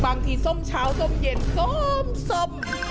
บางทีซ่อมเช้าซ่อมเย็นซ่อมซ่อม